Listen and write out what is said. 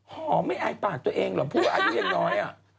หอมไม่อายปากตัวเองเหรอผู้ว่าอายุยังน้อย